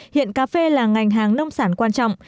hiện cà phê là ngành hàng nông sản quan trọng